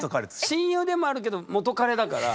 親友でもあるけど元彼だから。